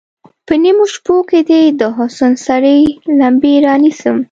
په نیمو شپو کې دې، د حسن سرې لمبې رانیسم